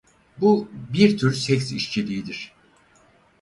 Bu bir tür seks işçiliğidir.